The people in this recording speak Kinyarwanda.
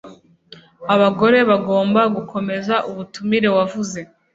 abagore bagomba gukomeza ubutumire wavuze